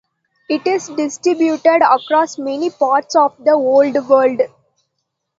It is distributed across many parts of the Old World.